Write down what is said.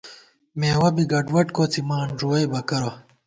مېوَہ بی گڈوڈ کوڅِمان ݫُوَئیبہ کرہ